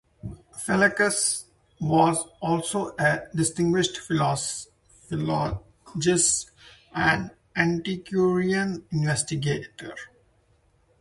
Flaccus was also a distinguished philologist and antiquarian investigator.